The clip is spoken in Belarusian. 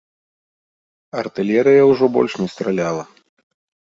Артылерыя ўжо больш не страляла.